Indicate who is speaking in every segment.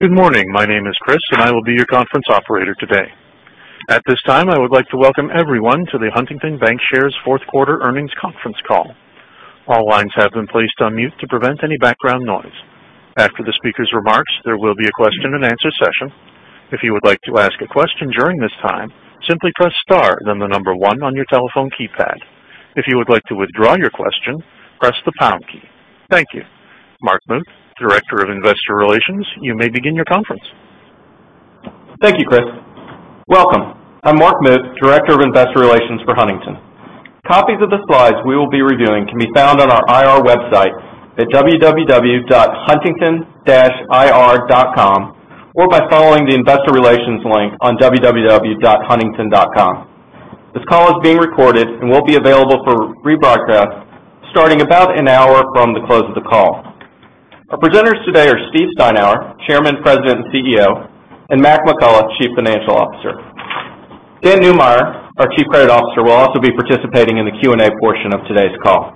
Speaker 1: Good morning. My name is Chris, and I will be your conference operator today. At this time, I would like to welcome everyone to the Huntington Bancshares fourth quarter earnings conference call. All lines have been placed on mute to prevent any background noise. After the speaker's remarks, there will be a question and answer session. If you would like to ask a question during this time, simply press star then the number 1 on your telephone keypad. If you would like to withdraw your question, press the pound key. Thank you. Mark Muth, Director of Investor Relations, you may begin your conference.
Speaker 2: Thank you, Chris. Welcome. I'm Mark Muth, Director of Investor Relations for Huntington. Copies of the slides we will be reviewing can be found on our IR website at www.huntington-ir.com or by following the Investor Relations link on www.huntington.com. This call is being recorded and will be available for rebroadcast starting about an hour from the close of the call. Our presenters today are Steve Steinour, Chairman, President, and CEO, and Mac McCullough, Chief Financial Officer. Dan Neumeyer, our Chief Credit Officer, will also be participating in the Q&A portion of today's call.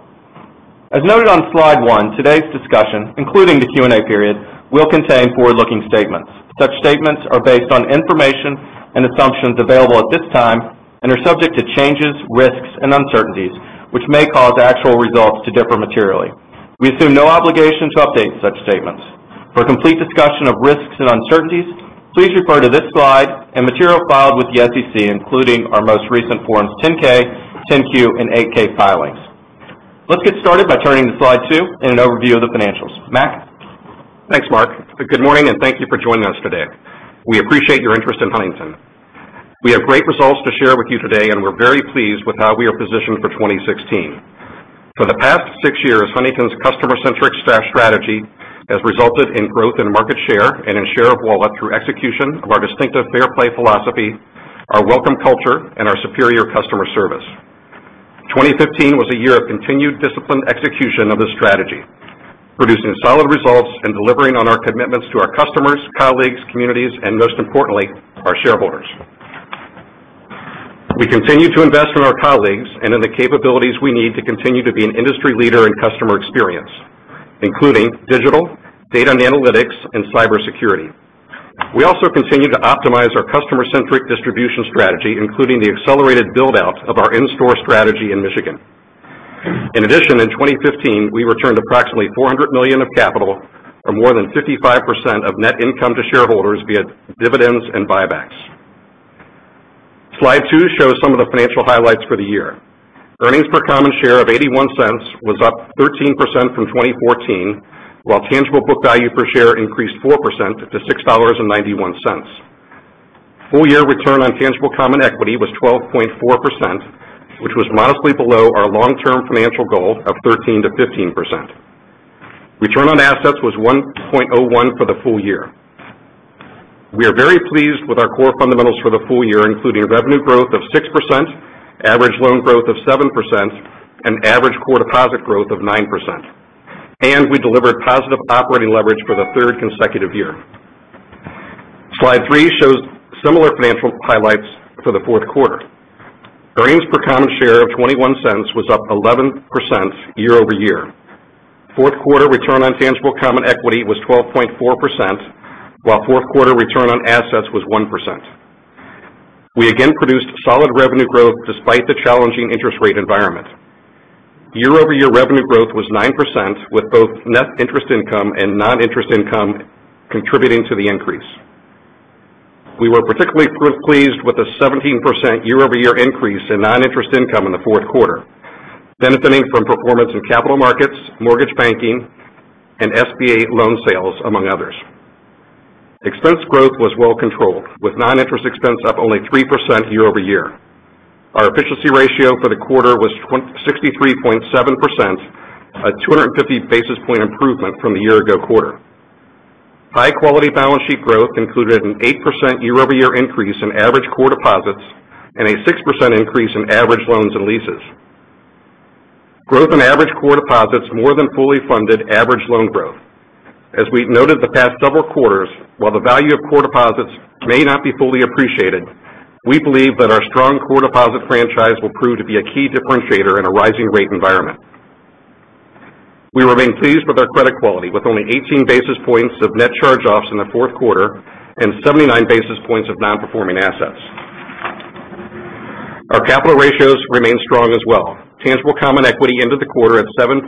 Speaker 2: As noted on slide one, today's discussion, including the Q&A period, will contain forward-looking statements. Such statements are based on information and assumptions available at this time and are subject to changes, risks, and uncertainties, which may cause actual results to differ materially. We assume no obligation to update such statements. For a complete discussion of risks and uncertainties, please refer to this slide and material filed with the SEC, including our most recent Forms 10-K, 10-Q, and 8-K filings. Let's get started by turning to slide two and an overview of the financials. Mac?
Speaker 3: Thanks, Mark. Good morning. Thank you for joining us today. We appreciate your interest in Huntington. We have great results to share with you today, and we're very pleased with how we are positioned for 2016. For the past six years, Huntington's customer-centric strategy has resulted in growth in market share and in share of wallet through execution of our distinctive Fair Play philosophy, our welcome culture, and our superior customer service. 2015 was a year of continued disciplined execution of the strategy, producing solid results and delivering on our commitments to our customers, colleagues, communities, and most importantly, our shareholders. We continue to invest in our colleagues and in the capabilities we need to continue to be an industry leader in customer experience, including digital, data and analytics, and cybersecurity. We also continue to optimize our customer-centric distribution strategy, including the accelerated build-out of our in-store strategy in Michigan. In addition, in 2015, we returned approximately $400 million of capital, or more than 55% of net income to shareholders via dividends and buybacks. Slide two shows some of the financial highlights for the year. Earnings per common share of $0.81 was up 13% from 2014, while tangible book value per share increased 4% to $6.91. Full-year return on tangible common equity was 12.4%, which was modestly below our long-term financial goal of 13%-15%. Return on assets was 1.01% for the full year. We are very pleased with our core fundamentals for the full year, including revenue growth of 6%, average loan growth of 7%, and average core deposit growth of 9%. We delivered positive operating leverage for the third consecutive year. Slide three shows similar financial highlights for the fourth quarter. Earnings per common share of $0.21 was up 11% year-over-year. Fourth quarter return on tangible common equity was 12.4%, while fourth quarter return on assets was 1%. We again produced solid revenue growth despite the challenging interest rate environment. Year-over-year revenue growth was 9%, with both net interest income and non-interest income contributing to the increase. We were particularly pleased with the 17% year-over-year increase in non-interest income in the fourth quarter, benefiting from performance in capital markets, mortgage banking, and SBA loan sales, among others. Expense growth was well controlled, with non-interest expense up only 3% year-over-year. Our efficiency ratio for the quarter was 63.7%, a 250 basis point improvement from the year ago quarter. High-quality balance sheet growth included an 8% year-over-year increase in average core deposits and a 6% increase in average loans and leases. Growth in average core deposits more than fully funded average loan growth. As we've noted the past several quarters, while the value of core deposits may not be fully appreciated, we believe that our strong core deposit franchise will prove to be a key differentiator in a rising rate environment. We remain pleased with our credit quality, with only 18 basis points of net charge-offs in the fourth quarter and 79 basis points of non-performing assets. Our capital ratios remain strong as well. Tangible common equity ended the quarter at 7.81%,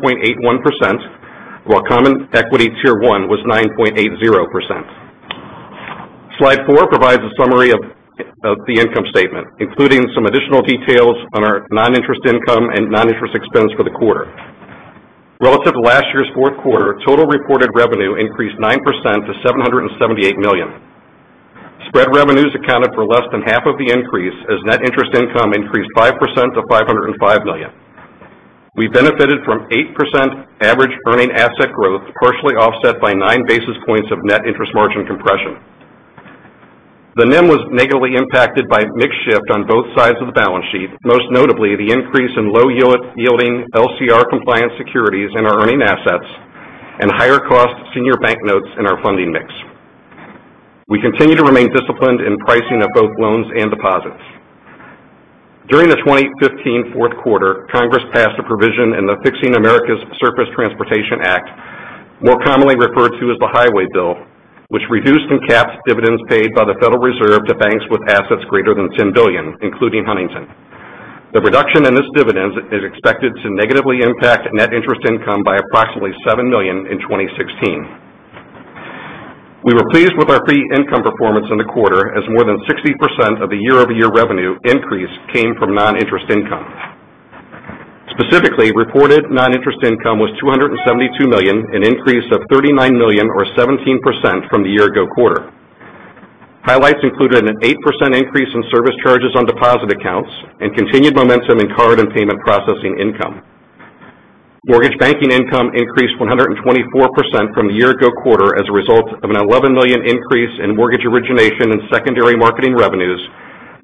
Speaker 3: while Common Equity Tier 1 was 9.80%. Slide four provides a summary of the income statement, including some additional details on our non-interest income and non-interest expense for the quarter. Relative to last year's fourth quarter, total reported revenue increased 9% to $778 million. Spread revenues accounted for less than half of the increase, as net interest income increased 5% to $505 million. We benefited from 8% average earning asset growth, partially offset by nine basis points of net interest margin compression. The NIM was negatively impacted by mix shift on both sides of the balance sheet, most notably the increase in low-yielding LCR-compliant securities in our earning assets and higher cost senior bank notes in our funding mix. During the 2015 fourth quarter, Congress passed a provision in the Fixing America's Surface Transportation Act, more commonly referred to as the Highway Bill, which reduced and capped dividends paid by the Federal Reserve to banks with assets greater than $10 billion, including Huntington. The reduction in this dividend is expected to negatively impact net interest income by approximately $7 million in 2016. We were pleased with our fee income performance in the quarter, as more than 60% of the year-over-year revenue increase came from non-interest income. Specifically, reported non-interest income was $272 million, an increase of $39 million or 17% from the year ago quarter. Highlights included an 8% increase in service charges on deposit accounts and continued momentum in card and payment processing income. Mortgage banking income increased 124% from the year ago quarter as a result of an $11 million increase in mortgage origination and secondary marketing revenues,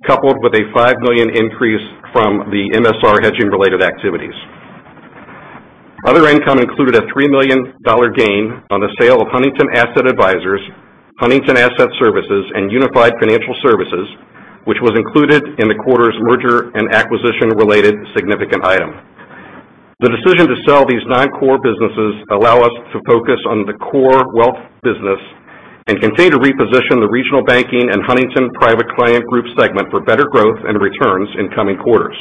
Speaker 3: coupled with a $5 million increase from the MSR hedging related activities. Other income included a $3 million gain on the sale of Huntington Asset Advisors, Huntington Asset Services, and Unified Financial Services, which was included in the quarter's merger and acquisition related significant item. The decision to sell these non-core businesses allow us to focus on the core wealth business and continue to reposition the regional banking and Huntington Private Client Group segment for better growth and returns in coming quarters.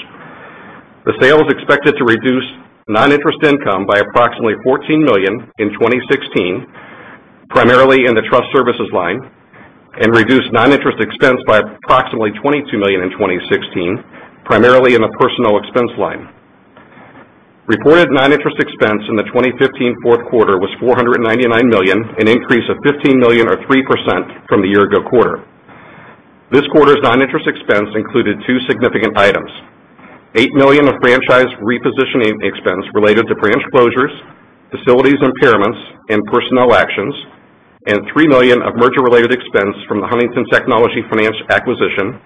Speaker 3: The sale is expected to reduce non-interest income by approximately $14 million in 2016, primarily in the trust services line, and reduce non-interest expense by approximately $22 million in 2016, primarily in the personal expense line. Reported non-interest expense in the 2015 fourth quarter was $499 million, an increase of $15 million or 3% from the year ago quarter. This quarter's non-interest expense included two significant items. $8 million of franchise repositioning expense related to branch closures, facilities impairments, and personnel actions, and $3 million of merger related expense from the Huntington Technology Finance acquisition,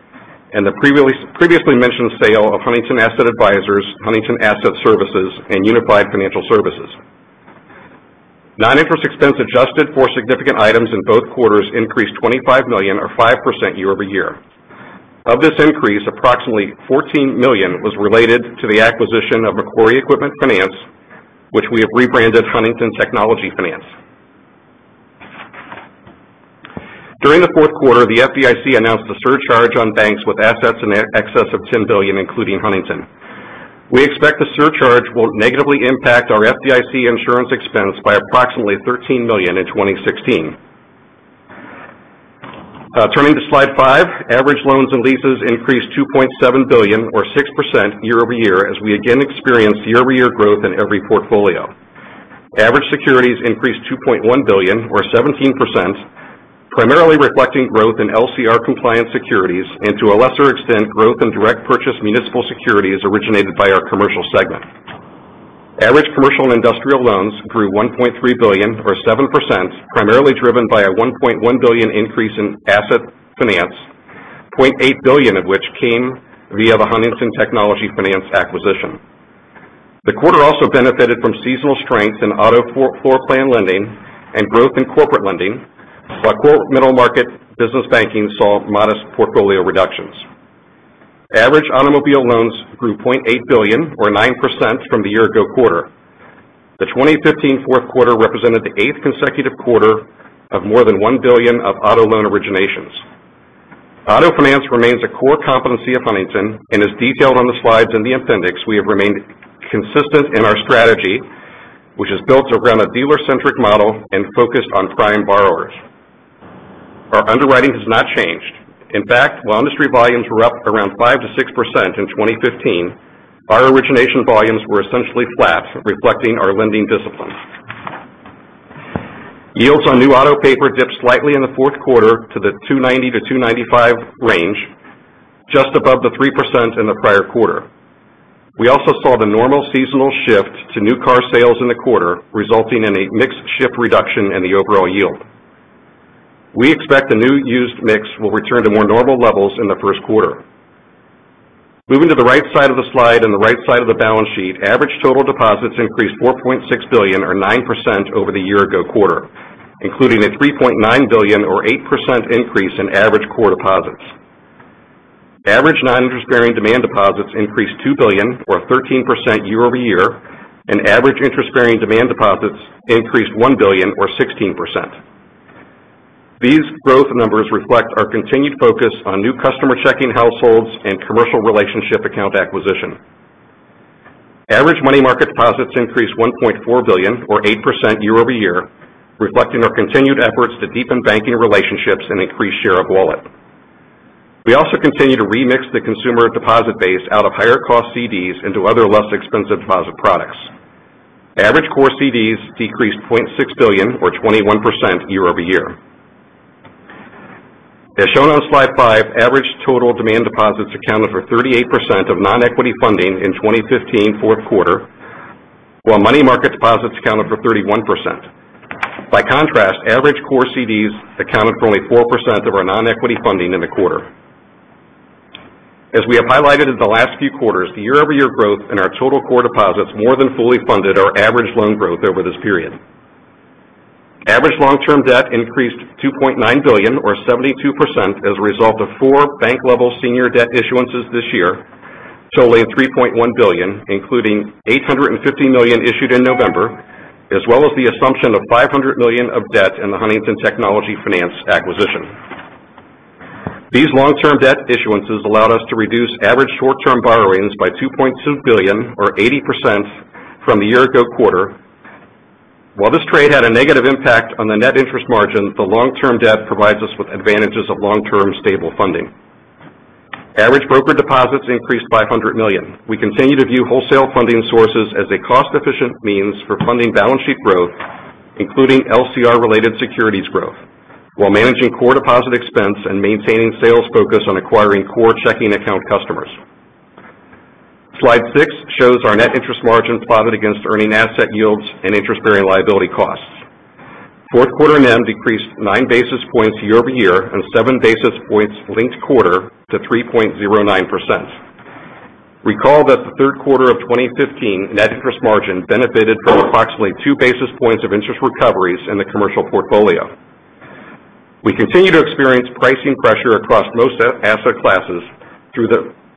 Speaker 3: and the previously mentioned sale of Huntington Asset Advisors, Huntington Asset Services, and Unified Financial Services. Non-interest expense adjusted for significant items in both quarters increased $25 million or 5% year-over-year. Of this increase, approximately $14 million was related to the acquisition of Macquarie Equipment Finance, which we have rebranded Huntington Technology Finance. During the fourth quarter, the FDIC announced a surcharge on banks with assets in excess of $10 billion, including Huntington. We expect the surcharge will negatively impact our FDIC insurance expense by approximately $13 million in 2016. Turning to slide five. Average loans and leases increased $2.7 billion or 6% year-over-year as we again experienced year-over-year growth in every portfolio. Average securities increased $2.1 billion or 17%, primarily reflecting growth in LCR compliance securities and to a lesser extent, growth in direct purchase municipal securities originated by our commercial segment. Average commercial and industrial loans grew $1.3 billion or 7%, primarily driven by a $1.1 billion increase in asset finance, $0.8 billion of which came via the Huntington Technology Finance acquisition. The quarter also benefited from seasonal strength in auto floorplan lending and growth in corporate lending, while middle market business banking saw modest portfolio reductions. Average automobile loans grew $0.8 billion or 9% from the year ago quarter. The 2015 fourth quarter represented the eighth consecutive quarter of more than $1 billion of auto loan originations. Auto finance remains a core competency of Huntington. As detailed on the slides in the appendix, we have remained consistent in our strategy, which is built around a dealer-centric model and focused on prime borrowers. Our underwriting has not changed. In fact, while industry volumes were up around 5%-6% in 2015, our origination volumes were essentially flat, reflecting our lending discipline. Yields on new auto paper dipped slightly in the fourth quarter to the 290 to 295 range, just above the 3% in the prior quarter. We also saw the normal seasonal shift to new car sales in the quarter, resulting in a mix shift reduction in the overall yield. We expect the new used mix will return to more normal levels in the first quarter. Moving to the right side of the slide and the right side of the balance sheet, average total deposits increased $4.6 billion or 9% over the year-ago quarter, including a $3.9 billion or 8% increase in average core deposits. Average non-interest bearing demand deposits increased $2 billion or 13% year-over-year, and average interest bearing demand deposits increased $1 billion or 16%. These growth numbers reflect our continued focus on new customer checking households and commercial relationship account acquisition. Average money market deposits increased $1.4 billion or 8% year-over-year, reflecting our continued efforts to deepen banking relationships and increase share of wallet. We also continue to remix the consumer deposit base out of higher cost CDs into other less expensive deposit products. Average core CDs decreased $0.6 billion or 21% year-over-year. As shown on slide five, average total demand deposits accounted for 38% of non-equity funding in 2015 fourth quarter, while money market deposits accounted for 31%. By contrast, average core CDs accounted for only 4% of our non-equity funding in the quarter. As we have highlighted in the last few quarters, the year-over-year growth in our total core deposits more than fully funded our average loan growth over this period. Average long-term debt increased $2.9 billion or 72% as a result of four bank-level senior debt issuances this year, totaling $3.1 billion, including $850 million issued in November, as well as the assumption of $500 million of debt in the Huntington Technology Finance acquisition. These long-term debt issuances allowed us to reduce average short-term borrowings by $2.2 billion or 80% from the year-ago quarter. While this trade had a negative impact on the net interest margin, the long-term debt provides us with advantages of long-term stable funding. Average broker deposits increased by $100 million. We continue to view wholesale funding sources as a cost-efficient means for funding balance sheet growth, including LCR-related securities growth, while managing core deposit expense and maintaining sales focus on acquiring core checking account customers. Slide six shows our net interest margin plotted against earning asset yields and interest-bearing liability costs. Fourth quarter NIM decreased nine basis points year-over-year and seven basis points linked-quarter to 3.09%. Recall that the third quarter of 2015 net interest margin benefited from approximately two basis points of interest recoveries in the commercial portfolio. We continue to experience pricing pressure across most asset classes.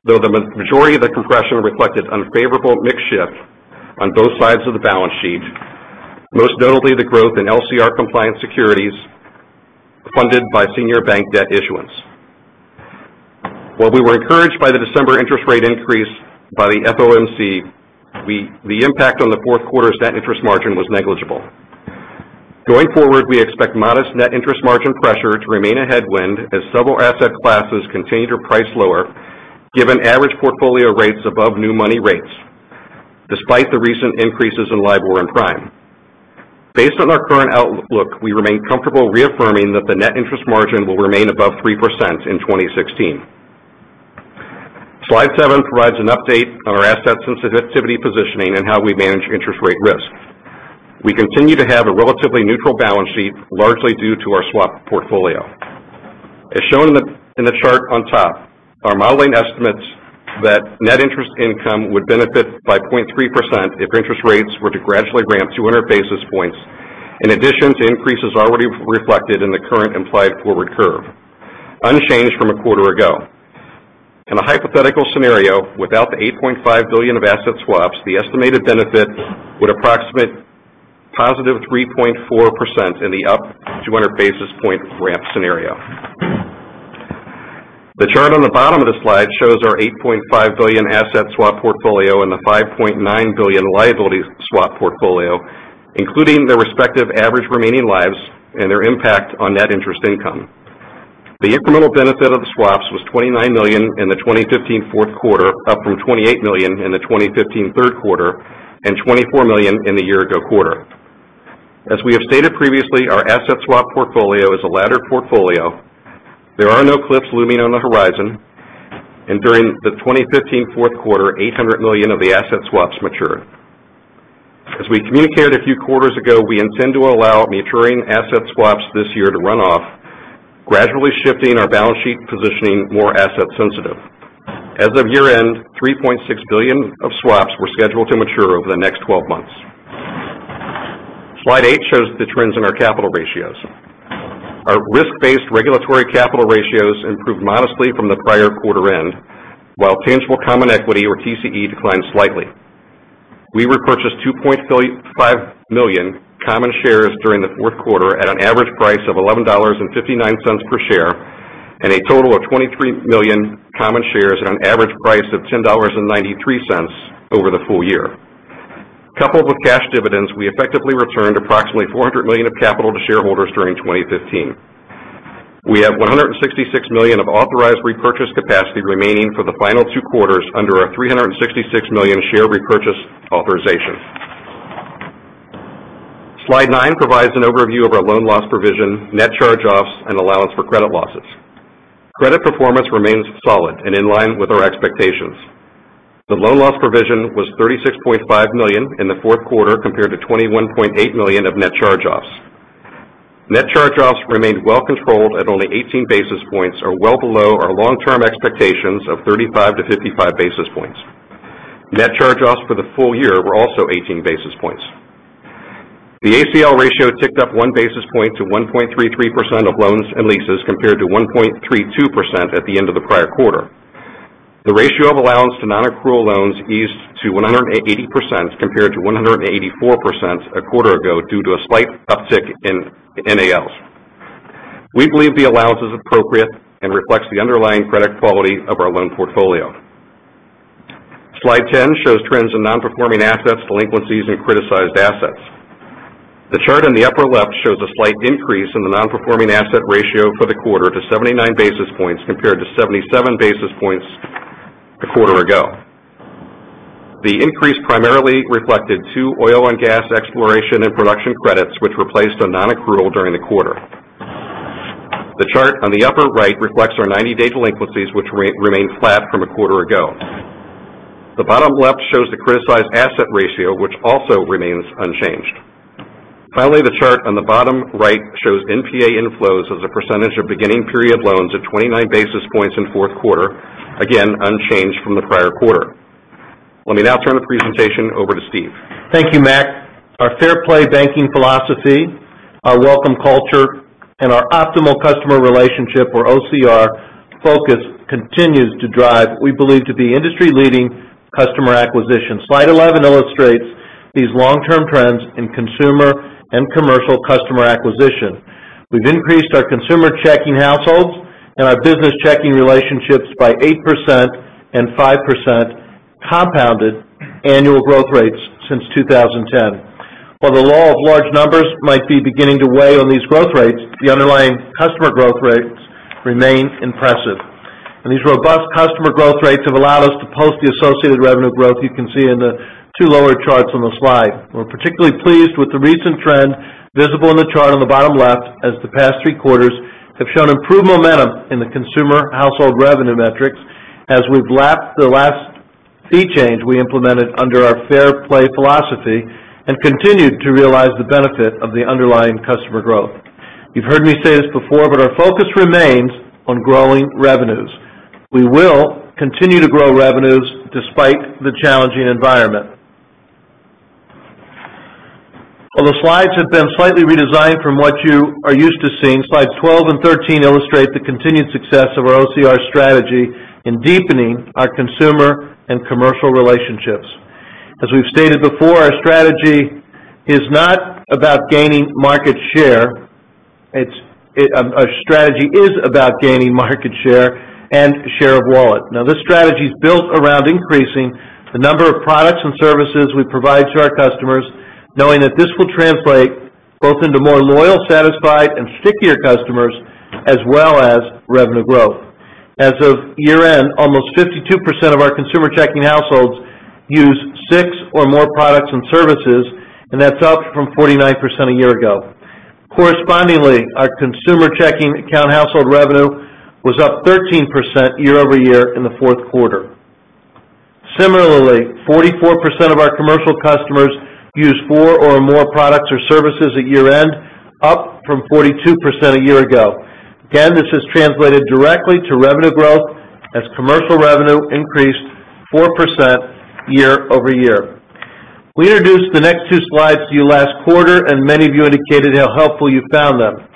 Speaker 3: The majority of the compression reflected unfavorable mix shift on both sides of the balance sheet, most notably the growth in LCR compliance securities funded by senior bank debt issuance. We were encouraged by the December interest rate increase by the FOMC. The impact on the fourth quarter's net interest margin was negligible. Going forward, we expect modest net interest margin pressure to remain a headwind as several asset classes continue to price lower given average portfolio rates above new money rates, despite the recent increases in LIBOR and prime. Based on our current outlook, we remain comfortable reaffirming that the net interest margin will remain above 3% in 2016. Slide seven provides an update on our asset sensitivity positioning and how we manage interest rate risk. We continue to have a relatively neutral balance sheet, largely due to our swap portfolio. Shown in the chart on top, our modeling estimates that net interest income would benefit by 0.3% if interest rates were to gradually ramp 200 basis points, in addition to increases already reflected in the current implied forward curve, unchanged from a quarter ago. In a hypothetical scenario, without the $8.5 billion of asset swaps, the estimated benefit would approximate positive 3.4% in the up 200 basis point ramp scenario. The chart on the bottom of the slide shows our $8.5 billion asset swap portfolio and the $5.9 billion liabilities swap portfolio, including their respective average remaining lives and their impact on net interest income. The incremental benefit of the swaps was $29 million in the 2015 fourth quarter, up from $28 million in the 2015 third quarter and $24 million in the year ago quarter. We have stated previously, our asset swap portfolio is a laddered portfolio. There are no cliffs looming on the horizon. During the 2015 fourth quarter, $800 million of the asset swaps matured. We communicated a few quarters ago, we intend to allow maturing asset swaps this year to run off, gradually shifting our balance sheet positioning more asset sensitive. As of year-end, $3.6 billion of swaps were scheduled to mature over the next 12 months. Slide eight shows the trends in our capital ratios. Our risk-based regulatory capital ratios improved modestly from the prior quarter end, while tangible common equity or TCE declined slightly. We repurchased 2.5 million common shares during the fourth quarter at an average price of $11.59 per share and a total of 23 million common shares at an average price of $10.93 over the full year. Coupled with cash dividends, we effectively returned approximately $400 million of capital to shareholders during 2015. We have $166 million of authorized repurchase capacity remaining for the final two quarters under our $366 million share repurchase authorization. Slide nine provides an overview of our loan loss provision, net charge-offs, and allowance for credit losses. Credit performance remains solid and in line with our expectations. The loan loss provision was $36.5 million in the fourth quarter compared to $21.8 million of net charge-offs. Net charge-offs remained well controlled at only 18 basis points or well below our long-term expectations of 35-55 basis points. Net charge-offs for the full year were also 18 basis points. The ACL ratio ticked up one basis point to 1.33% of loans and leases compared to 1.32% at the end of the prior quarter. The ratio of allowance to non-accrual loans eased to 180% compared to 184% a quarter ago due to a slight uptick in NALs. We believe the allowance is appropriate and reflects the underlying credit quality of our loan portfolio. Slide 10 shows trends in non-performing assets, delinquencies, and criticized assets. The chart in the upper left shows a slight increase in the non-performing asset ratio for the quarter to 79 basis points compared to 77 basis points a quarter ago. The increase primarily reflected two oil and gas exploration and production credits which were placed on non-accrual during the quarter. The chart on the upper right reflects our 90-day delinquencies, which remained flat from a quarter ago. The bottom left shows the criticized asset ratio, which also remains unchanged. Finally, the chart on the bottom right shows NPA inflows as a percentage of beginning period loans of 29 basis points in fourth quarter, again unchanged from the prior quarter. Let me now turn the presentation over to Steve.
Speaker 4: Thank you, Mac. Our Fair Play banking philosophy, our welcome culture, and our OCR focus, continues to drive, we believe to be industry-leading customer acquisition. Slide 11 illustrates these long-term trends in consumer and commercial customer acquisition. We've increased our consumer checking households and our business checking relationships by 8% and 5% compounded annual growth rates since 2010. These robust customer growth rates have allowed us to post the associated revenue growth you can see in the two lower charts on the slide. We're particularly pleased with the recent trend visible in the chart on the bottom left, as the past three quarters have shown improved momentum in the consumer household revenue metrics as we've lapped the last fee change we implemented under our Fair Play philosophy and continued to realize the benefit of the underlying customer growth. You've heard me say this before, our focus remains on growing revenues. We will continue to grow revenues despite the challenging environment. While the slides have been slightly redesigned from what you are used to seeing, Slides 12 and 13 illustrate the continued success of our OCR strategy in deepening our consumer and commercial relationships. As we've stated before, our strategy is not about gaining market share. Our strategy is about gaining market share and share of wallet. This strategy is built around increasing the number of products and services we provide to our customers, knowing that this will translate both into more loyal, satisfied, and stickier customers, as well as revenue growth. As of year-end, almost 52% of our consumer checking households use six or more products and services, and that's up from 49% a year ago. Correspondingly, our consumer checking account household revenue was up 13% year-over-year in the fourth quarter. Similarly, 44% of our commercial customers used four or more products or services at year-end, up from 42% a year ago. This has translated directly to revenue growth as commercial revenue increased 4% year-over-year. We introduced the next two slides to you last quarter, and many of you indicated how helpful you found them.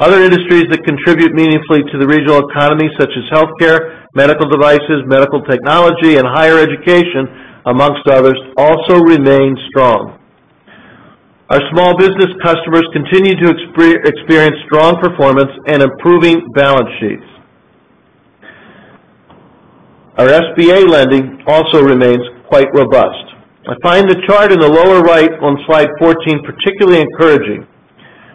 Speaker 4: Other industries that contribute meaningfully to the regional economy, such as healthcare, medical devices, medical technology, and higher education, amongst others, also remain strong. Our small business customers continue to experience strong performance and improving balance sheets. Our SBA lending also remains quite robust. I find the chart in the lower right on Slide 14 particularly encouraging.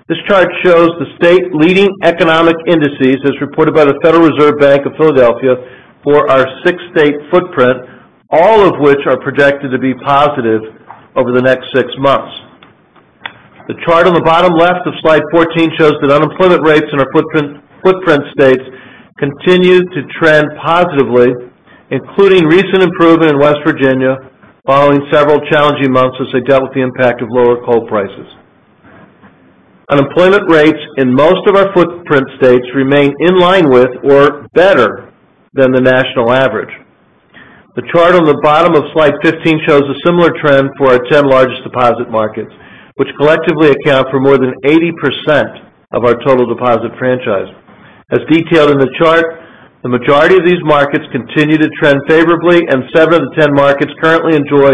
Speaker 4: This chart shows the state leading economic indices as reported by the Federal Reserve Bank of Philadelphia for our six-state footprint, all of which are projected to be positive over the next six months. The chart on the bottom left of Slide 14 shows that unemployment rates in our which collectively account for more than 80% of our total deposit franchise. As detailed in the chart, the majority of these markets continue to trend favorably, and seven of the 10 markets currently enjoy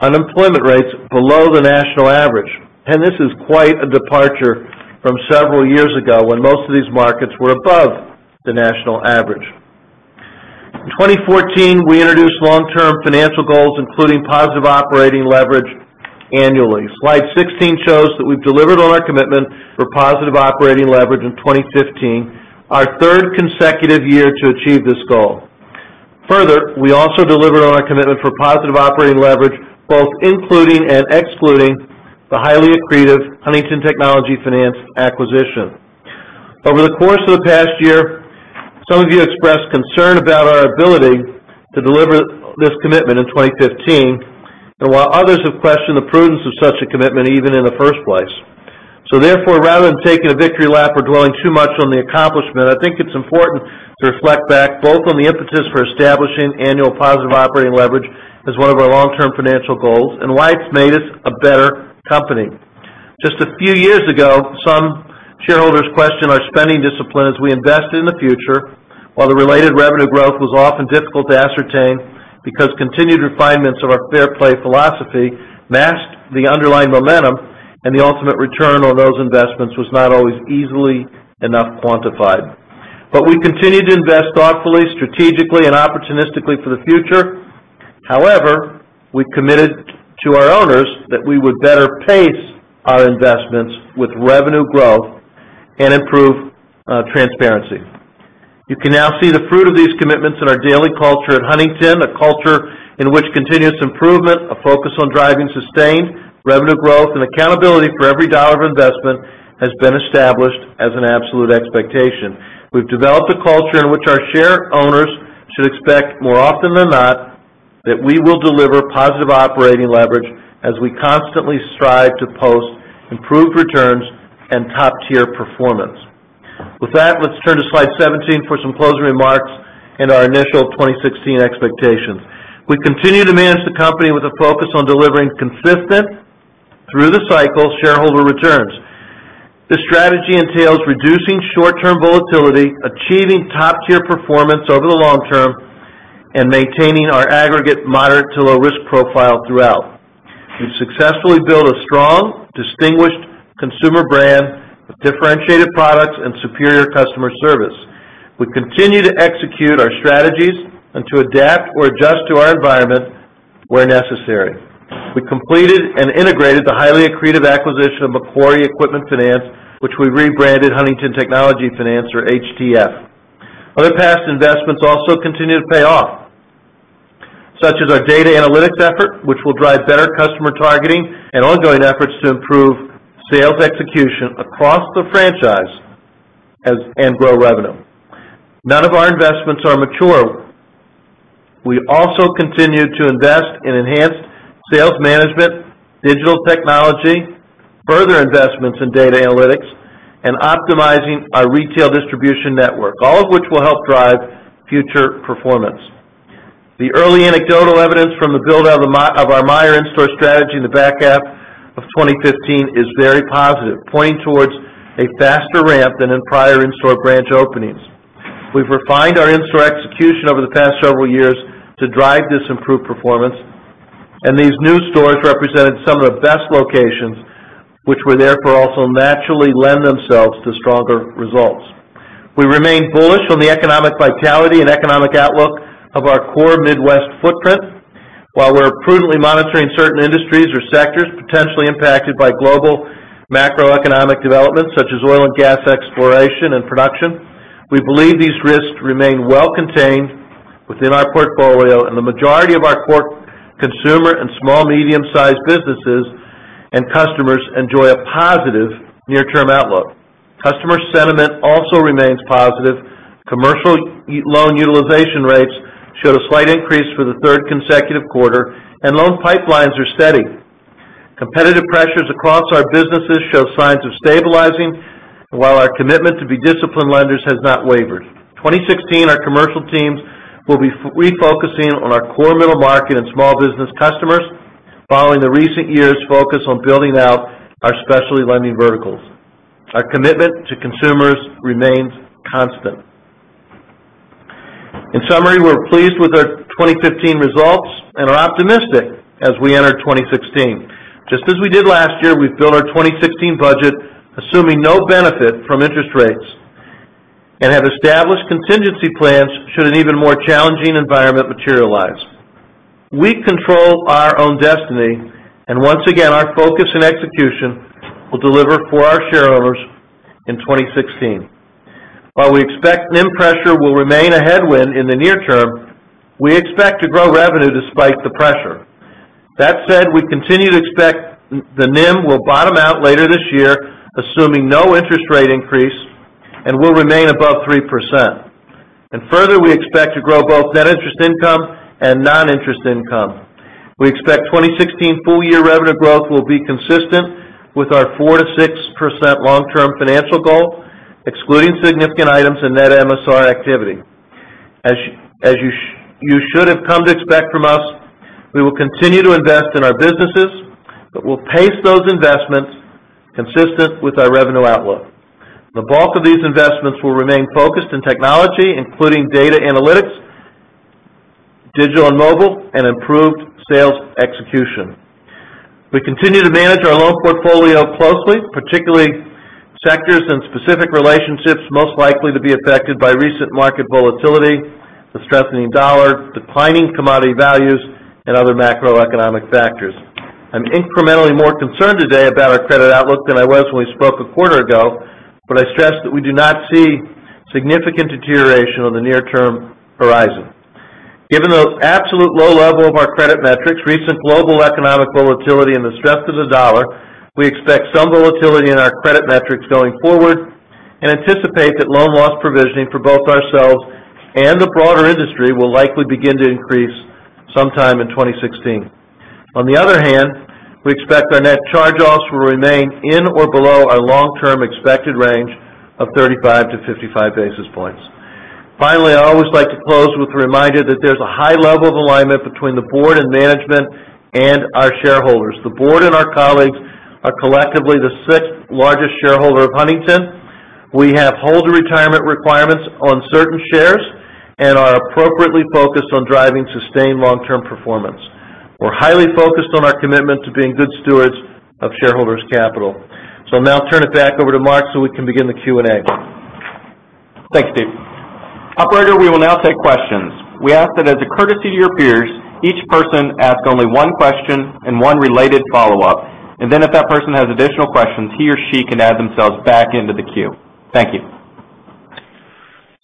Speaker 4: unemployment rates below the national average. This is quite a departure from several years ago when most of these markets were above the national average. In 2014, we introduced long-term financial goals, including positive operating leverage annually. Slide 16 shows that we've delivered on our commitment for positive operating leverage in 2015, our third consecutive year to achieve this goal. Further, we also delivered on our commitment for positive operating leverage, both including and excluding the highly accretive Huntington Technology Finance acquisition. Over the course of the past year, some of you expressed concern about our ability to deliver this commitment in 2015, and while others have questioned the prudence of such a commitment even in the first place. Therefore, rather than taking a victory lap or dwelling too much on the accomplishment, I think it's important to reflect back both on the impetus for establishing annual positive operating leverage as one of our long-term financial goals and why it's made us a better company. Just a few years ago, some shareholders questioned our spending discipline as we invested in the future. While the related revenue growth was often difficult to ascertain because continued refinements of our Fair Play philosophy masked the underlying momentum, and the ultimate return on those investments was not always easily enough quantified. We continued to invest thoughtfully, strategically, and opportunistically for the future. However, we committed to our owners that we would better pace our investments with revenue growth and improve transparency. You can now see the fruit of these commitments in our daily culture at Huntington, a culture in which continuous improvement, a focus on driving sustained revenue growth, and accountability for every dollar of investment has been established as an absolute expectation. We've developed a culture in which our share owners should expect more often than not, that we will deliver positive operating leverage as we constantly strive to post improved returns and top-tier performance. With that, let's turn to slide 17 for some closing remarks and our initial 2016 expectations. We continue to manage the company with a focus on delivering consistent through the cycle shareholder returns. This strategy entails reducing short-term volatility, achieving top-tier performance over the long term, and maintaining our aggregate moderate to low risk profile throughout. We've successfully built a strong, distinguished consumer brand with differentiated products and superior customer service. We continue to execute our strategies and to adapt or adjust to our environment where necessary. We completed and integrated the highly accretive acquisition of Macquarie Equipment Finance, which we rebranded Huntington Technology Finance or HTF. Other past investments also continue to pay off, such as our data analytics effort, which will drive better customer targeting and ongoing efforts to improve sales execution across the franchise and grow revenue. None of our investments are mature. We also continue to invest in enhanced sales management, digital technology, further investments in data analytics, and optimizing our retail distribution network, all of which will help drive future performance. The early anecdotal evidence from the build-out of our Meijer in-store strategy in the back half of 2015 is very positive, pointing towards a faster ramp than in prior in-store branch openings. We've refined our in-store execution over the past several years to drive this improved performance, and these new stores represented some of the best locations, which will therefore also naturally lend themselves to stronger results. We remain bullish on the economic vitality and economic outlook of our core Midwest footprint. While we're prudently monitoring certain industries or sectors potentially impacted by global macroeconomic developments such as oil and gas exploration and production, we believe these risks remain well contained within our portfolio and the majority of our core consumer and small, medium-sized businesses and customers enjoy a positive near-term outlook. Customer sentiment also remains positive. Commercial loan utilization rates showed a slight increase for the third consecutive quarter. Loan pipelines are steady. Competitive pressures across our businesses show signs of stabilizing, while our commitment to be disciplined lenders has not wavered. In 2016, our commercial teams will be refocusing on our core middle market and small business customers following the recent years' focus on building out our specialty lending verticals. Our commitment to consumers remains constant. In summary, we're pleased with our 2015 results and are optimistic as we enter 2016. Just as we did last year, we've built our 2016 budget assuming no benefit from interest rates and have established contingency plans should an even more challenging environment materialize. We control our own destiny. Once again, our focus and execution will deliver for our shareholders in 2016. While we expect NIM pressure will remain a headwind in the near term, we expect to grow revenue despite the pressure. That said, we continue to expect the NIM will bottom out later this year, assuming no interest rate increase and will remain above 3%. Further, we expect to grow both net interest income and non-interest income. We expect 2016 full year revenue growth will be consistent with our 4%-6% long-term financial goal, excluding significant items and net MSR activity. As you should have come to expect from us, we will continue to invest in our businesses, but we'll pace those investments consistent with our revenue outlook. The bulk of these investments will remain focused in technology, including data analytics, digital and mobile, and improved sales execution. We continue to manage our loan portfolio closely, particularly sectors and specific relationships most likely to be affected by recent market volatility, the strengthening dollar, declining commodity values, and other macroeconomic factors. I'm incrementally more concerned today about our credit outlook than I was when we spoke a quarter ago. I stress that we do not see significant deterioration on the near-term horizon. Given the absolute low level of our credit metrics, recent global economic volatility, and the strength of the dollar, we expect some volatility in our credit metrics going forward and anticipate that loan loss provisioning for both ourselves and the broader industry will likely begin to increase sometime in 2016. On the other hand, we expect our net charge-offs will remain in or below our long-term expected range of 35 basis points-55 basis points. Finally, I always like to close with a reminder that there's a high level of alignment between the board and management and our shareholders. The board and our colleagues are collectively the sixth largest shareholder of Huntington. We have holder retirement requirements on certain shares and are appropriately focused on driving sustained long-term performance. We're highly focused on our commitment to being good stewards of shareholders' capital. I'll now turn it back over to Mark so we can begin the Q&A.
Speaker 2: Thanks, Steve. Operator, we will now take questions. We ask that as a courtesy to your peers, each person ask only one question and one related follow-up, and then if that person has additional questions, he or she can add themselves back into the queue. Thank you.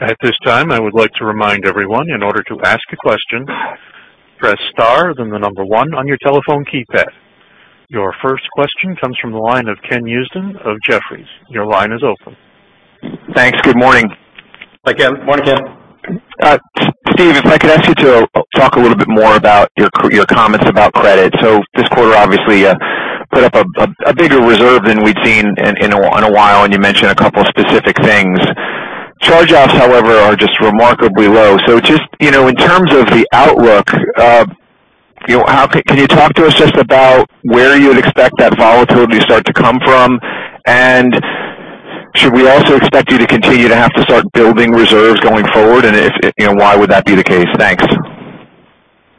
Speaker 1: At this time, I would like to remind everyone, in order to ask a question, press star, then the number one on your telephone keypad. Your first question comes from the line of Ken Usdin of Jefferies. Your line is open.
Speaker 5: Thanks. Good morning.
Speaker 3: Hi, Ken. Morning, Ken.
Speaker 5: Steve, if I could ask you to talk a little bit more about your comments about credit. This quarter obviously put up a bigger reserve than we'd seen in a while, and you mentioned a couple of specific things. Charge-offs, however, are just remarkably low. Just in terms of the outlook, can you talk to us just about where you'd expect that volatility to start to come from? Should we also expect you to continue to have to start building reserves going forward? If, why would that be the case? Thanks.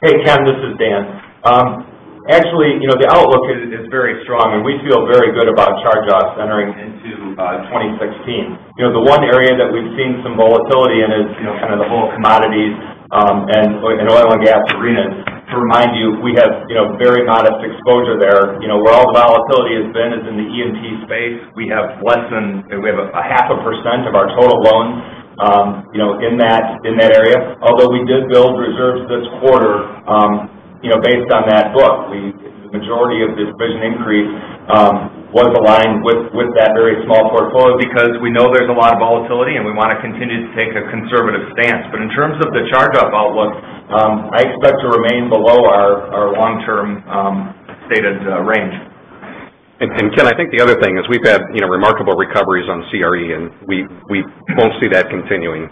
Speaker 6: Hey, Ken, this is Dan. Actually, the outlook is very strong, and we feel very good about charge-offs entering into 2016. The one area that we've seen some volatility in is kind of the whole commodities and oil and gas arenas. To remind you, we have very modest exposure there. Where all the volatility has been is in the E&P space. We have a half a percent of our total loans in that area. Although we did build reserves this quarter based on that book. The majority of this provision increase was aligned with that very small portfolio because we know there's a lot of volatility, and we want to continue to take a conservative stance. In terms of the charge-off outlook, I expect to remain below our long-term stated range.
Speaker 3: Ken, I think the other thing is we've had remarkable recoveries on CRE, and we won't see that continuing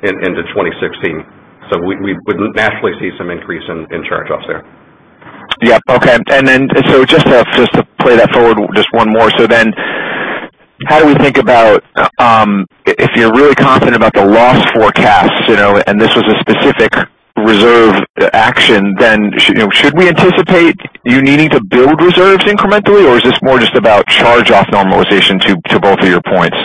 Speaker 3: into 2016. We would naturally see some increase in charge-offs there.
Speaker 5: Yeah. Okay. Just to play that forward just one more. How do we think about if you're really confident about the loss forecast, and this was a specific reserve action, then should we anticipate you needing to build reserves incrementally, or is this more just about charge-off normalization to both of your points?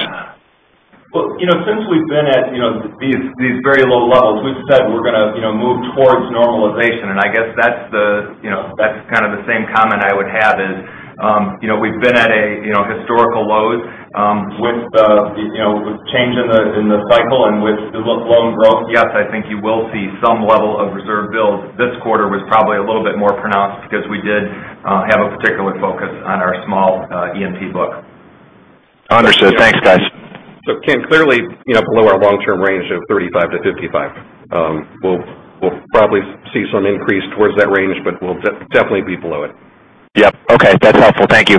Speaker 6: Well, since we've been at these very low levels, we've said we're going to move towards normalization. I guess that's kind of the same comment I would have is we've been at a historical lows with change in the cycle in which the loan growth, yes, I think you will see some level of reserve build. This quarter was probably a little bit more pronounced because we did have a particular focus on our small E&P book.
Speaker 5: Understood. Thanks, guys.
Speaker 3: Ken, clearly below our long-term range of 35 to 55. We'll probably see some increase towards that range, but we'll definitely be below it.
Speaker 5: Yep. Okay. That's helpful. Thank you.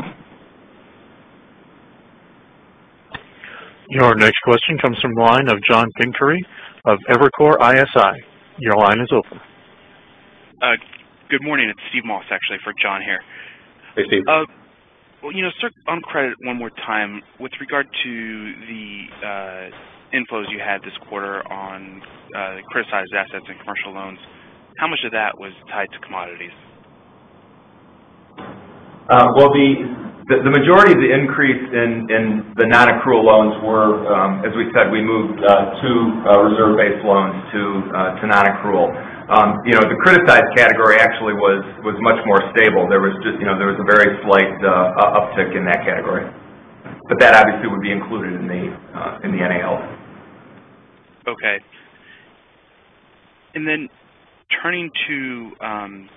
Speaker 1: Your next question comes from the line of John Pancari of Evercore ISI. Your line is open.
Speaker 7: Good morning. It's Steve Moss actually for John here.
Speaker 3: Hey, Steve.
Speaker 7: Well, on credit one more time, with regard to the inflows you had this quarter on criticized assets and commercial loans, how much of that was tied to commodities?
Speaker 6: Well, the majority of the increase in the Non-Accrual Loans were, as we said, we moved two reserve-based loans to non-accrual. The criticized category actually was much more stable. There was a very slight uptick in that category. That obviously would be included in the NALs.
Speaker 7: Okay. Then turning to on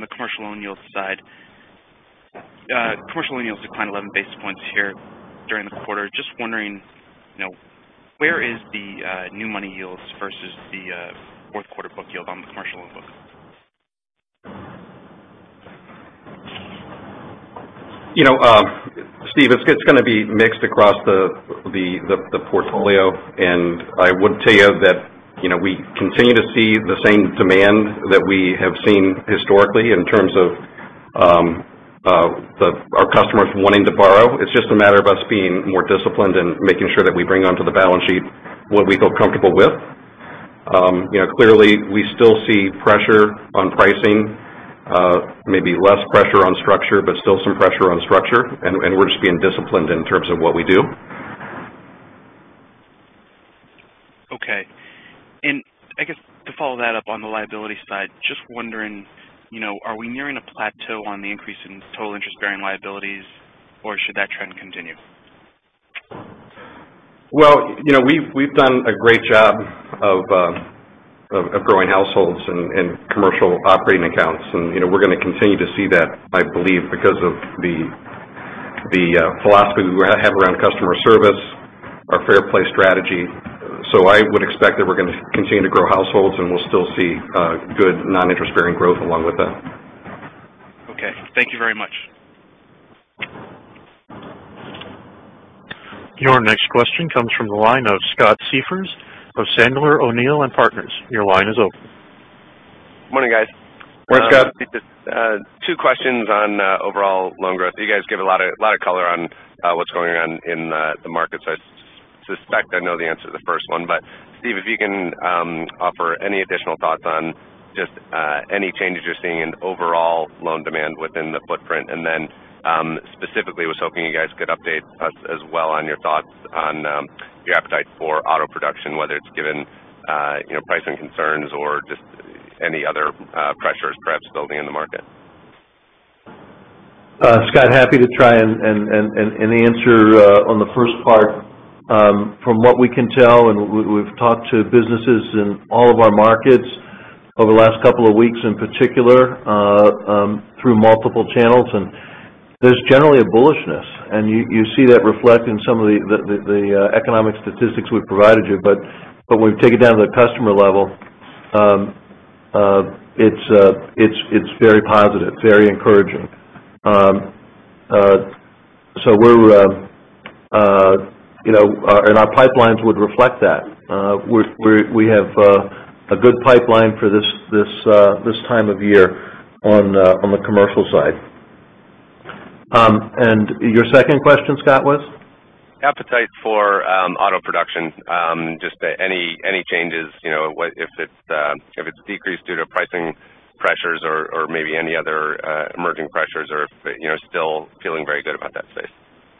Speaker 7: the commercial loan yields side. Commercial loan yields declined 11 basis points here during the quarter. Just wondering, where is the new money yields versus the fourth quarter book yield on the commercial loan book?
Speaker 3: Steve, it's going to be mixed across the portfolio. I would tell you that we continue to see the same demand that we have seen historically in terms of our customers wanting to borrow. It's just a matter of us being more disciplined and making sure that we bring onto the balance sheet what we feel comfortable with. Clearly we still see pressure on pricing. Maybe less pressure on structure, but still some pressure on structure, and we're just being disciplined in terms of what we do.
Speaker 7: Okay. I guess to follow that up on the liability side, just wondering, are we nearing a plateau on the increase in total interest-bearing liabilities, or should that trend continue?
Speaker 3: Well, we've done a great job of growing households and commercial operating accounts, and we're going to continue to see that, I believe, because of the philosophy we have around customer service, our Fair Play strategy. I would expect that we're going to continue to grow households, and we'll still see good non-interest bearing growth along with that.
Speaker 7: Okay. Thank you very much.
Speaker 1: Your next question comes from the line of Scott Siefers of Sandler O'Neill & Partners. Your line is open.
Speaker 8: Morning, guys.
Speaker 3: Morning, Scott.
Speaker 8: Two questions on overall loan growth. You guys give a lot of color on what's going on in the market. Steve, if you can offer any additional thoughts on just any changes you're seeing in overall loan demand within the footprint, and then specifically was hoping you guys could update us as well on your thoughts on your appetite for auto production, whether it's given pricing concerns or just any other pressures perhaps building in the market.
Speaker 4: Scott, happy to try and answer on the first part. From what we can tell, we've talked to businesses in all of our markets over the last couple of weeks, in particular, through multiple channels, there's generally a bullishness. You see that reflect in some of the economic statistics we've provided you. When we take it down to the customer level, it's very positive, very encouraging. Our pipelines would reflect that. We have a good pipeline for this time of year on the commercial side. Your second question, Scott, was?
Speaker 8: Appetite for auto production. Just any changes, if it's decreased due to pricing pressures or maybe any other emerging pressures, or if still feeling very good about that space.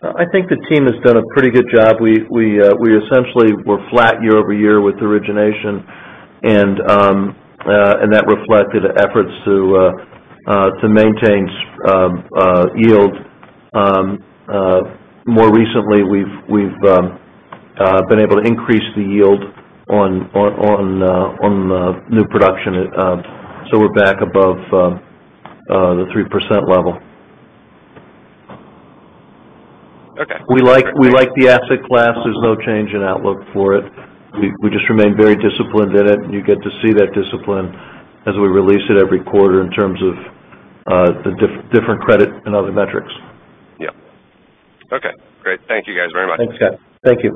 Speaker 3: I think the team has done a pretty good job. We essentially were flat year-over-year with origination, and that reflected efforts to maintain yield. More recently, we've been able to increase the yield on new production. We're back above the 3% level.
Speaker 8: Okay.
Speaker 3: We like the asset class. There's no change in outlook for it. We just remain very disciplined in it, and you get to see that discipline as we release it every quarter in terms of the different credit and other metrics.
Speaker 8: Yeah. Okay, great. Thank you guys very much.
Speaker 3: Thanks, Scott. Thank you.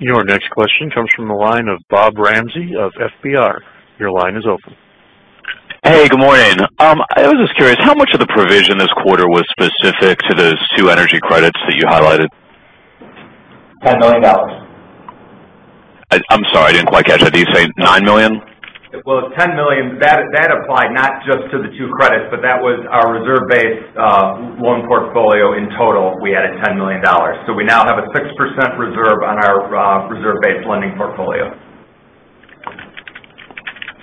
Speaker 1: Your next question comes from the line of Bob Ramsey of FBR. Your line is open.
Speaker 9: Hey, good morning. I was just curious, how much of the provision this quarter was specific to those two energy credits that you highlighted?
Speaker 6: $10 million.
Speaker 9: I'm sorry, I didn't quite catch that. Did you say $9 million?
Speaker 6: Well, it's $10 million. That applied not just to the two credits, but that was our reserve-based loan portfolio. In total, we added $10 million. We now have a 6% reserve on our reserve-based lending portfolio.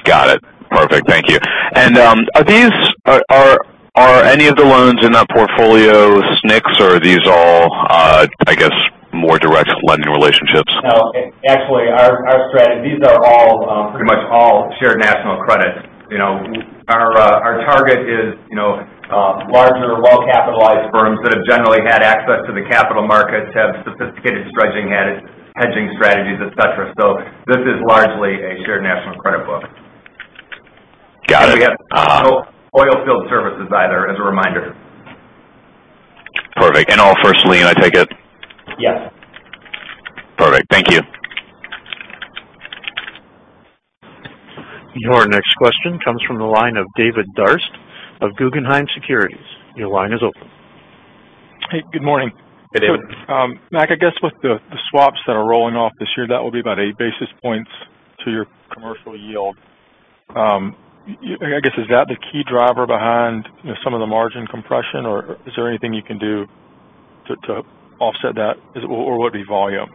Speaker 9: Got it. Perfect. Thank you. Are any of the loans in that portfolio SNCs or are these all, I guess, more direct lending relationships?
Speaker 6: No, actually, these are all pretty much all Shared National Credits. Our target is larger, well-capitalized firms that have generally had access to the capital markets, have sophisticated hedging strategies, et cetera. This is largely a Shared National Credit book.
Speaker 9: Got it.
Speaker 6: We have no oil field services either, as a reminder.
Speaker 9: Perfect. All first lien, I take it?
Speaker 6: Yes.
Speaker 9: Perfect. Thank you.
Speaker 1: Your next question comes from the line of David Darst of Guggenheim Securities. Your line is open.
Speaker 10: Hey, good morning.
Speaker 3: Hey, David.
Speaker 10: Mac, I guess with the swaps that are rolling off this year, that will be about eight basis points to your commercial yield. I guess, is that the key driver behind some of the margin compression, or is there anything you can do to offset that? Would it be volume?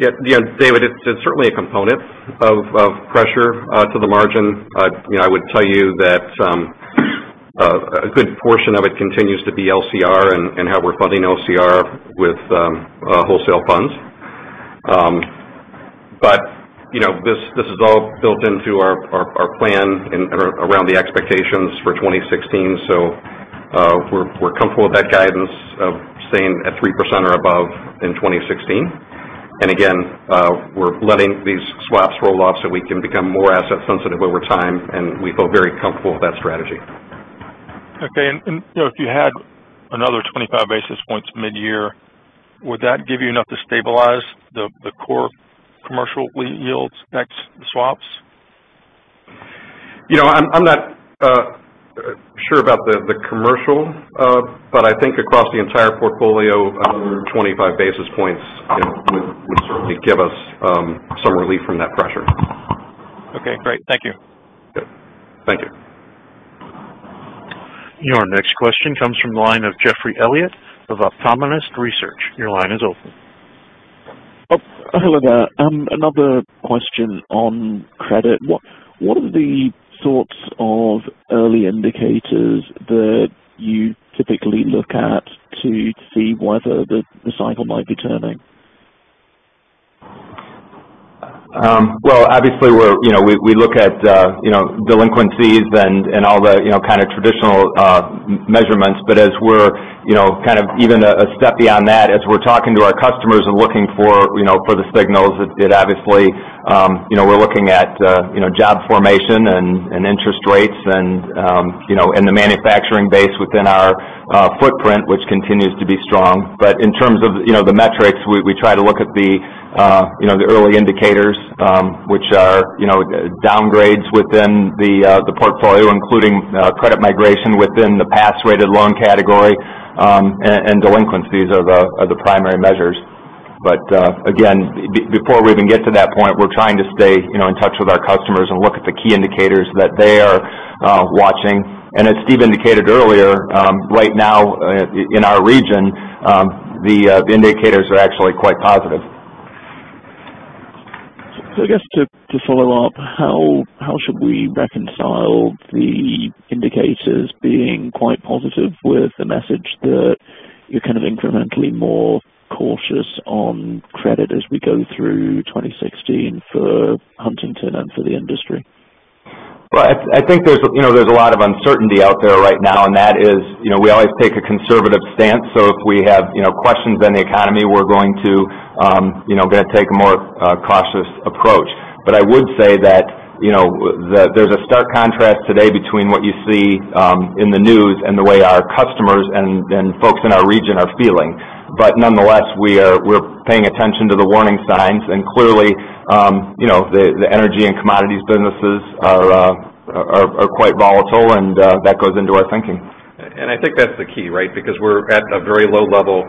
Speaker 3: Yeah, David, it's certainly a component of pressure to the margin. I would tell you that a good portion of it continues to be LCR and how we're funding LCR with wholesale funds. This is all built into our plan around the expectations for 2016. We're comfortable with that guidance of staying at 3% or above in 2016. Again, we're letting these swaps roll off so we can become more asset sensitive over time, and we feel very comfortable with that strategy.
Speaker 10: Okay. If you had another 25 basis points mid-year, would that give you enough to stabilize the core commercial yields next to the swaps?
Speaker 3: I'm not sure about the commercial, but I think across the entire portfolio, 25 basis points would certainly give us some relief from that pressure.
Speaker 10: Okay, great. Thank you.
Speaker 3: Yep. Thank you.
Speaker 1: Your next question comes from the line of Geoffrey Elliott of Autonomous Research. Your line is open.
Speaker 11: Hello there. Another question on credit. What are the sorts of early indicators that you typically look at to see whether the cycle might be turning?
Speaker 6: Well, obviously we look at delinquencies and all the kind of traditional measurements. As we're kind of even a step beyond that, as we're talking to our customers and looking for the signals, obviously we're looking at job formation and interest rates and the manufacturing base within our footprint, which continues to be strong. In terms of the metrics, we try to look at the early indicators which are downgrades within the portfolio, including credit migration within the pass-rated loan category, and delinquencies are the primary measures. Before we even get to that point, we're trying to stay in touch with our customers and look at the key indicators that they are watching. As Steve indicated earlier, right now in our region, the indicators are actually quite positive.
Speaker 11: I guess to follow up, how should we reconcile the indicators being quite positive with the message that you're kind of incrementally more cautious on credit as we go through 2016 for Huntington and for the industry?
Speaker 6: Well, I think there's a lot of uncertainty out there right now, and that is, we always take a conservative stance. If we have questions on the economy, we're going to take a more cautious approach. I would say that there's a stark contrast today between what you see in the news and the way our customers and folks in our region are feeling. Nonetheless, we're paying attention to the warning signs, and clearly the energy and commodities businesses are quite volatile, and that goes into our thinking.
Speaker 3: I think that's the key, right? Because we're at a very low level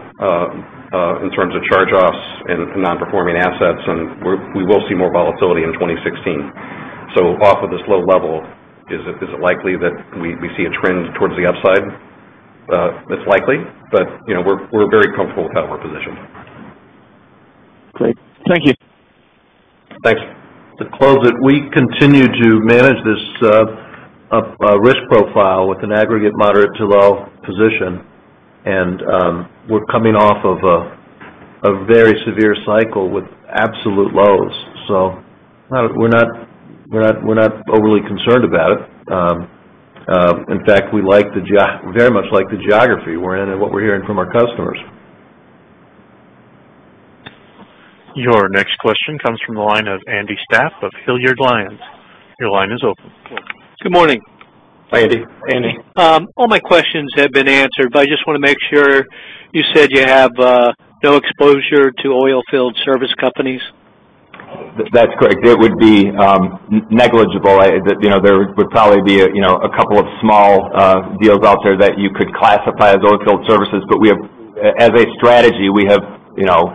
Speaker 3: in terms of charge-offs and non-performing assets, and we will see more volatility in 2016. Off of this low level, is it likely that we see a trend towards the upside? It's likely, but we're very comfortable with how we're positioned.
Speaker 11: Great. Thank you.
Speaker 6: Thanks. To close it, we continue to manage this risk profile with an aggregate moderate to low position, and we're coming off of a very severe cycle with absolute lows. We're not overly concerned about it. In fact, we very much like the geography we're in and what we're hearing from our customers.
Speaker 1: Your next question comes from the line of Andy Stapp of Hilliard Lyons. Your line is open.
Speaker 12: Good morning.
Speaker 6: Hi, Andy.
Speaker 3: Andy.
Speaker 12: All my questions have been answered. I just want to make sure. You said you have no exposure to oil field service companies?
Speaker 6: That's correct. It would be negligible. There would probably be a couple of small deals out there that you could classify as oil field services. As a strategy, we have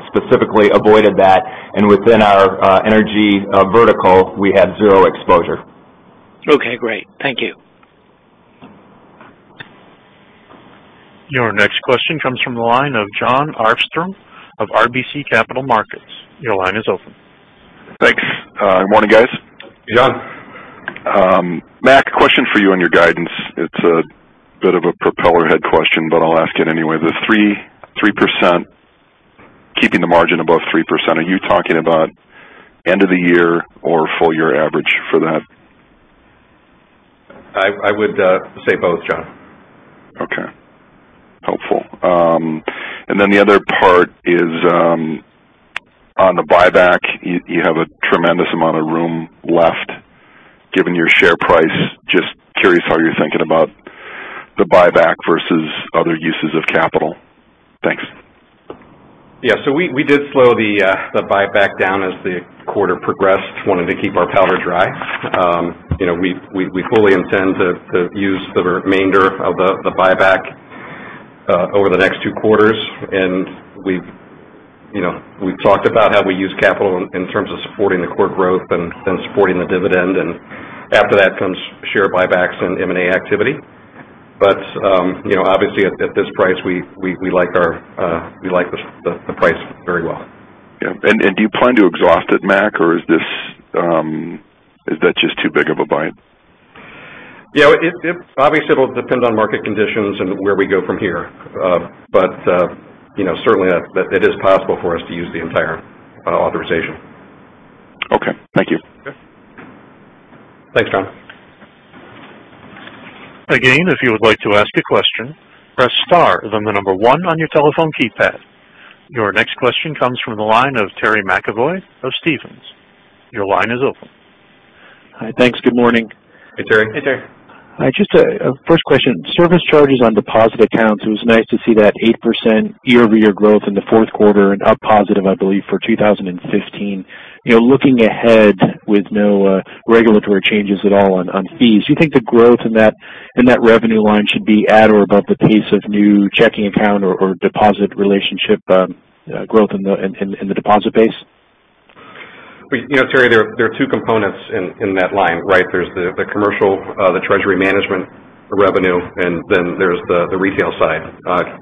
Speaker 6: specifically avoided that, and within our energy vertical, we have zero exposure.
Speaker 12: Okay, great. Thank you.
Speaker 1: Your next question comes from the line of Jon Arfstrom of RBC Capital Markets. Your line is open.
Speaker 13: Thanks. Good morning, guys.
Speaker 4: Jon.
Speaker 13: Mac, question for you on your guidance. It's a bit of a propeller head question, but I'll ask it anyway. The keeping the margin above 3%, are you talking about end of the year or full year average for that?
Speaker 3: I would say both, Jon.
Speaker 13: Okay. Helpful. The other part is on the buyback. You have a tremendous amount of room left given your share price. Just curious how you're thinking about the buyback versus other uses of capital. Thanks.
Speaker 3: Yeah. We did slow the buyback down as the quarter progressed. Wanted to keep our powder dry. We fully intend to use the remainder of the buyback over the next two quarters. We've talked about how we use capital in terms of supporting the core growth and supporting the dividend, and after that comes share buybacks and M&A activity. Obviously at this price, we like the price very well.
Speaker 13: Yeah. Do you plan to exhaust it, Mac, or is that just too big of a bite?
Speaker 3: Yeah. Obviously, it'll depend on market conditions and where we go from here. Certainly it is possible for us to use the entire authorization.
Speaker 13: Okay. Thank you.
Speaker 3: Sure. Thanks, John.
Speaker 1: If you would like to ask a question, press star, then the number one on your telephone keypad. Your next question comes from the line of Terry McEvoy of Stephens. Your line is open.
Speaker 14: Hi. Thanks. Good morning.
Speaker 6: Hey, Terry.
Speaker 3: Hey, Terry.
Speaker 14: Just a first question. Service charges on deposit accounts, it was nice to see that 8% year-over-year growth in the fourth quarter and up positive, I believe, for 2015. Looking ahead with no regulatory changes at all on fees, do you think the growth in that revenue line should be at or above the pace of new checking account or deposit relationship growth in the deposit base?
Speaker 3: Terry, there are two components in that line, right? There's the commercial, the treasury management revenue, and then there's the retail side.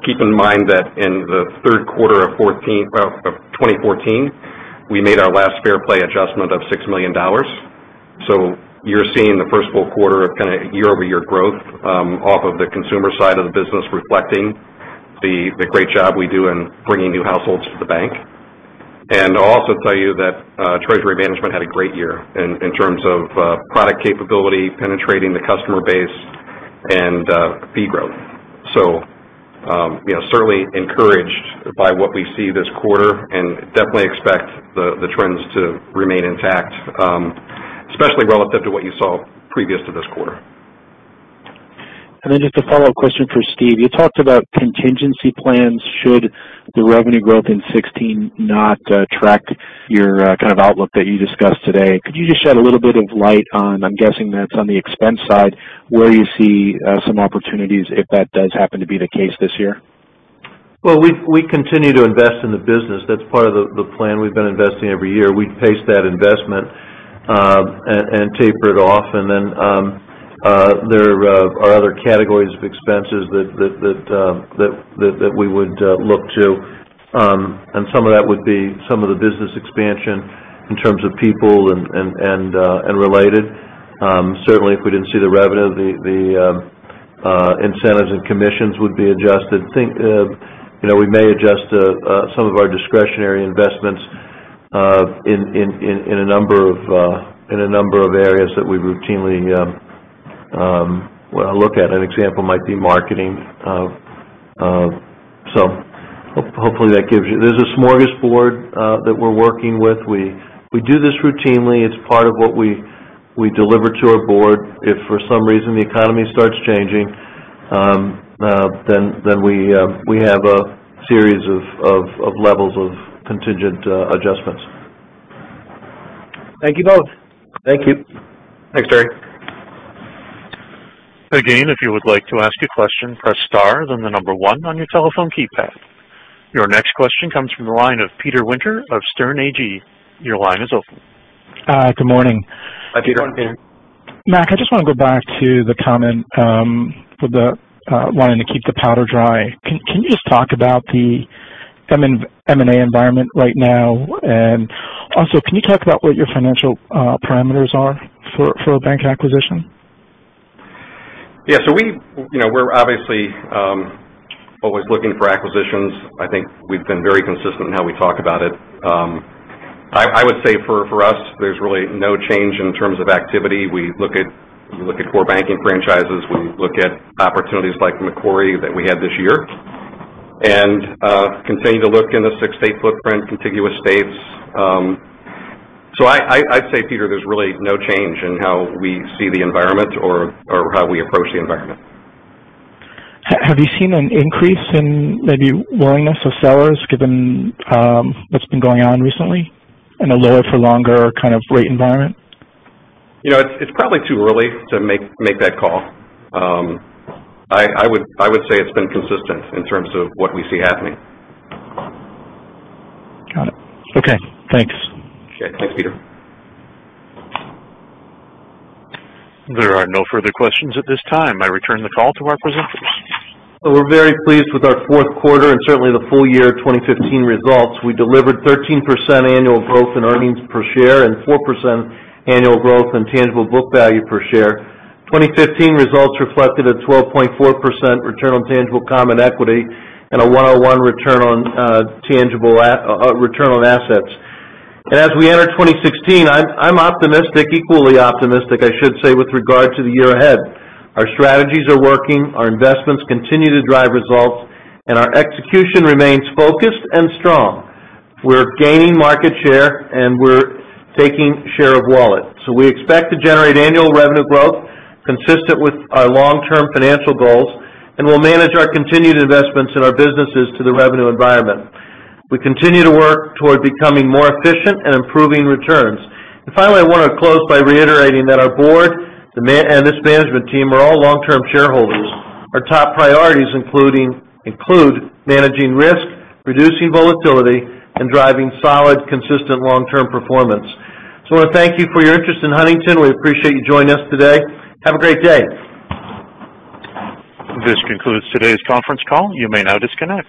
Speaker 3: Keep in mind that in the third quarter of 2014, we made our last Fair Play adjustment of $6 million. You're seeing the first full quarter of kind of year-over-year growth off of the consumer side of the business reflecting the great job we do in bringing new households to the bank. I'll also tell you that treasury management had a great year in terms of product capability, penetrating the customer base, and fee growth. Certainly encouraged by what we see this quarter and definitely expect the trends to remain intact, especially relative to what you saw previous to this quarter.
Speaker 14: Just a follow-up question for Steve. You talked about contingency plans should the revenue growth in 2016 not track your kind of outlook that you discussed today. Could you just shed a little bit of light on, I'm guessing that's on the expense side, where you see some opportunities if that does happen to be the case this year?
Speaker 4: Well, we continue to invest in the business. That's part of the plan. We've been investing every year. We pace that investment and taper it off. There are other categories of expenses that we would look to. Some of that would be some of the business expansion in terms of people and related. Certainly, if we didn't see the revenue, the incentives and commissions would be adjusted. We may adjust some of our discretionary investments in a number of areas that we routinely look at. An example might be marketing. Hopefully that gives you There's a smorgasbord that we're working with. We do this routinely. It's part of what we deliver to our board. If for some reason the economy starts changing, then we have a series of levels of contingent adjustments.
Speaker 14: Thank you both.
Speaker 4: Thank you.
Speaker 3: Thanks, Terry.
Speaker 1: If you would like to ask a question, press star, then the number one on your telephone keypad. Your next question comes from the line of Peter Winter of Sterne Agee. Your line is open.
Speaker 15: Good morning.
Speaker 3: Hi, Peter.
Speaker 4: Good morning, Peter.
Speaker 15: Mac, I just want to go back to the comment with the wanting to keep the powder dry. Can you just talk about the M&A environment right now? Also, can you talk about what your financial parameters are for a bank acquisition?
Speaker 3: Yeah. We're obviously always looking for acquisitions. I think we've been very consistent in how we talk about it. I would say for us, there's really no change in terms of activity. We look at core banking franchises. We look at opportunities like Macquarie that we had this year, and continue to look in the six-state footprint, contiguous states. I'd say, Peter, there's really no change in how we see the environment or how we approach the environment.
Speaker 15: Have you seen an increase in maybe willingness of sellers given what's been going on recently in a lower for longer kind of rate environment?
Speaker 3: It's probably too early to make that call. I would say it's been consistent in terms of what we see happening.
Speaker 15: Got it. Okay, thanks.
Speaker 3: Sure. Thanks, Peter.
Speaker 1: There are no further questions at this time. I return the call to our presenters.
Speaker 4: We're very pleased with our fourth quarter and certainly the full year 2015 results. We delivered 13% annual growth in earnings per share and 4% annual growth in tangible book value per share. 2015 results reflected a 12.4% return on tangible common equity and a 1.01% Return on assets. As we enter 2016, I'm optimistic, equally optimistic, I should say, with regard to the year ahead. Our strategies are working, our investments continue to drive results, and our execution remains focused and strong. We're gaining market share and we're taking share of wallet. We expect to generate annual revenue growth consistent with our long-term financial goals, and we'll manage our continued investments in our businesses to the revenue environment. We continue to work toward becoming more efficient and improving returns. Finally, I want to close by reiterating that our board and this management team are all long-term shareholders. Our top priorities include managing risk, reducing volatility, and driving solid, consistent long-term performance. I want to thank you for your interest in Huntington. We appreciate you joining us today. Have a great day.
Speaker 1: This concludes today's conference call. You may now disconnect.